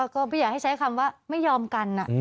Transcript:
ก็ไม่อยากให้ใช้คำว่าไม่ยอมกัน